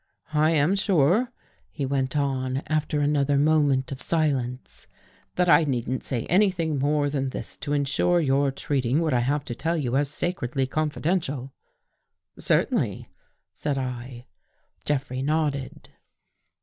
" I am sure," he went on, after another moment of silence, " that I needn't say anything more than this to insure your treating what I have to tell you as sacredly confidential." " Certainly," said I. Jeffrey nodded.